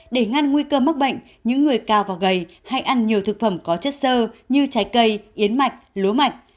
để ngăn nguy cơ mắc bệnh những người cao và gầy hãy ăn nhiều thực phẩm có chất sơ như trái cây yến mạch lúa mạch